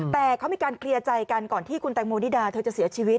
แต่เขามีการเคลียร์ใจกันก่อนที่คุณแตงโมนิดาเธอจะเสียชีวิต